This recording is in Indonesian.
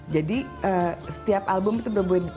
jadi setiap album itu berbeda karena perbedaan albumnya